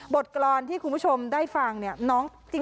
บทกรรณที่คุณผู้ชมได้ฟังนี่